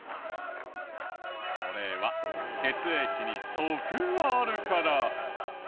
それは血液に毒があるから。